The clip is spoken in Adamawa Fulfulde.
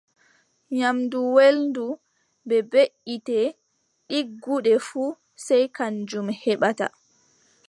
Nyaamdu welndu bee beʼitte ɗigguɗe fuu, sey kanjum heɓata.